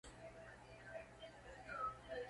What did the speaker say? Su estilo se basa en gran representación teatral.